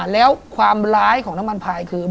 แล้วความร้ายของน้ำมันพายคือ